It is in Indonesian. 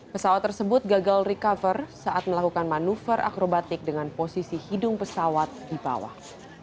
pesawat tersebut gagal recover saat melakukan manuver akrobatik dengan posisi hidung pesawat di bawah